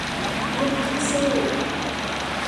ลุกขึ้นสู้